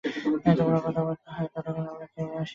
তোমরা কথাবার্তা কও, ততক্ষণ আমি খেয়ে আসি গে।